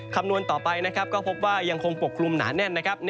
คำนวณต่อไปนะครับก็พบว่ายังคงปกคลุมหนาแน่นนะครับ